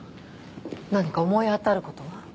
何か思い当たる事は？